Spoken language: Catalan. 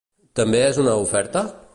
També es una oferta?